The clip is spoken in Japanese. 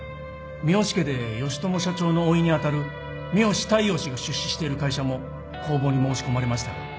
三星家で義知社長のおいに当たる三星大陽氏が出資している会社も公募に申し込まれましたが。